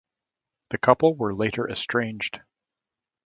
The couple were later estranged.